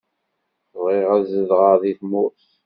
Bɣiɣ ad zedɣeɣ deg tmurt.